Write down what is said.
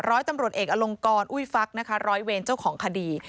ร้อยตำรวจเอกอลงกรอุ้ยฟักนะคะร้อยเวรเจ้าของคดี